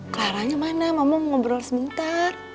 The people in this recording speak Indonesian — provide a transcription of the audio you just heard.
claranya mana mama mau ngobrol sebentar